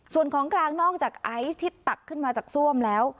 ส่วนของกลางนอกจากไอซ์ที่ตักขึ้นมาจากซ่วมแล้ว